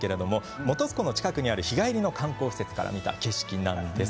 本栖湖の近くにある日帰りの観光施設から見た景色なんです。